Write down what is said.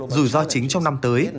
rủi ro chính trong năm tới